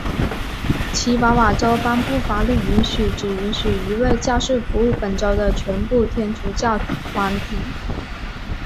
奇瓦瓦州颁布法律允许只允许一位教士服务本州的全部天主教团体。